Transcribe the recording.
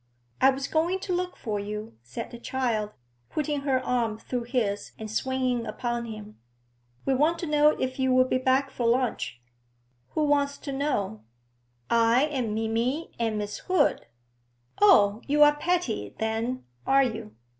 'I was going to look for you,' said the child, putting her arm through his and swinging upon him. 'We want to know if you'll be back for lunch.' 'Who wants to know?' 'I and Minnie and Miss Hood.' 'Oh, you are Patty, then, are you?'